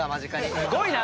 すごいな！